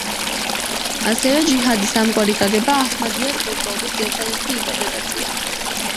ასევე ჯიჰადის ამგვარი გაგება აჰმადიას მოძრაობის ერთადერთი ინტერპრეტაციაა.